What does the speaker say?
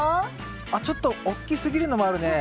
あっちょっと大きすぎるのもあるね。